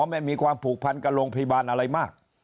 ไม่มีความผูกพันกับโรงพยาบาลอะไรมาก